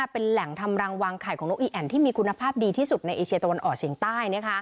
เป็นแหล่งทำรังวางไข่ของนกอีแอ่นที่มีคุณภาพดีที่สุดในเอเชียตะวันออกเฉียงใต้